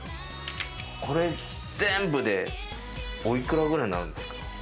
これ全部でお幾らぐらいなんですか？